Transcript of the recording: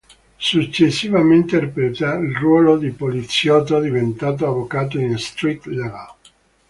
Successivamente interpreta il ruolo di un poliziotto diventato avvocato in "Street Legal".